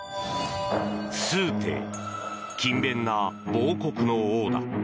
「崇禎：勤勉な亡国の王」だ。